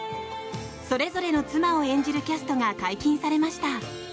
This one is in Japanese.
それぞれの妻を演じるキャストが解禁されました。